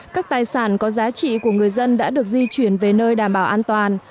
các tài sản có giá trị của người dân đã được di chuyển về nơi đảm bảo an toàn